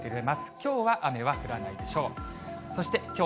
きょうは雨は降らないでしょう。